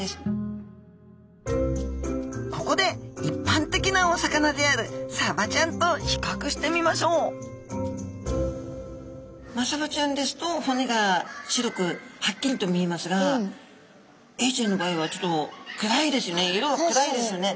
ここでいっぱん的なお魚であるサバちゃんと比較してみましょうマサバちゃんですと骨が白くはっきりと見えますがエイちゃんの場合はちょっと暗いですよね。